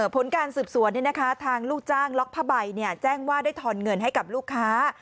ผลการสืบสวนทางลูกจ้างล็อกผ้าใบแจ้งว่าได้ทอนเงินให้กับลูกค้า